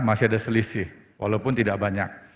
masih ada selisih walaupun tidak banyak